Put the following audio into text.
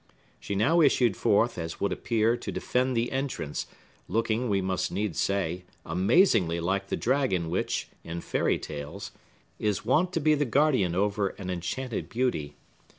She now issued forth, as would appear, to defend the entrance, looking, we must needs say, amazingly like the dragon which, in fairy tales, is wont to be the guardian over an enchanted beauty.